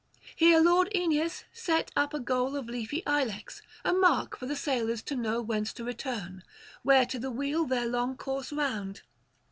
Here lord Aeneas set up a goal of leafy ilex, a mark for the sailors to know whence to return, where to wheel their long course round.